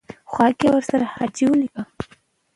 خوا کې ورسره حاجي ولیکه.